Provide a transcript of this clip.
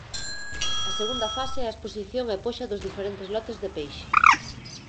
A segunda fase é a exposición e poxa dos diferentes lotes de peixe.